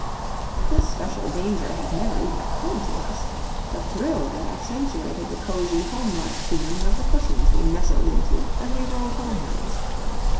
This special danger had never even occurred to us. The thrill of it accentuated the cosey homelike feeling of the cushions we nestled into as we rolled homewards.